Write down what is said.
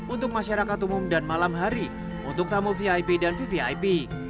untuk masyarakat umum dan malam hari untuk tamu vip dan vvip